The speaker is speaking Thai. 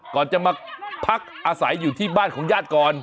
ก่อนจะมาพักอาศัยอยู่ที่บ้านของญาติก่อน